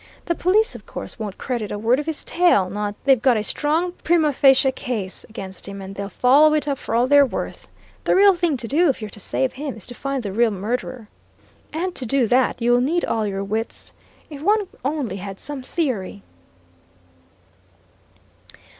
The police, of course, won't credit a word of his tale not they! They've got a strong prima facie case against him, and they'll follow it up for all they're worth. The real thing to do, if you're to save him, is to find the real murderer. And to do that, you'll need all your wits! If one only had some theory!"